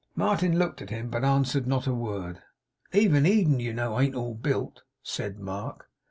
Martin looked at him, but answered not a word. 'Even Eden, you know, ain't all built,' said Mark.